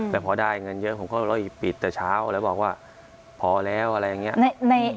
แต่พอได้เงินเยอะผมก็เลยปิดแต่เช้าแล้วบอกว่าพอแล้วอะไรอย่างนี้